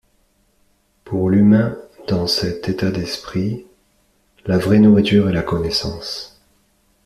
Pour l'humain dans cet état d'esprit, la vraie nourriture est la connaissance.